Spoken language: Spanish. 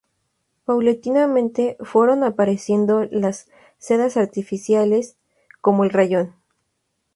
Paulatinamente, fueron apareciendo las sedas artificiales, como el rayón.